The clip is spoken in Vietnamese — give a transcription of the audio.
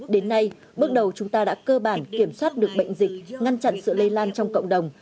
đến nay bước đầu chúng ta đã cơ bản kiểm soát được bệnh dịch ngăn chặn sự lây lan trong cộng đồng